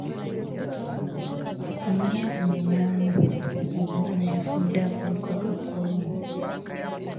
Ku myezi munaana, omwana yafudde akawuka ka kolona.